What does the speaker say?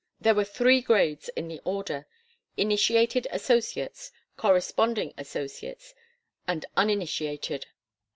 There were three grades in the Order: Initiated Associates, Corresponding Associates and Uninitiated.